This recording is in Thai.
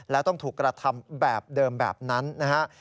แล้วต้องถูกกระทำแบบเดิมแบบนั้นนะฮะ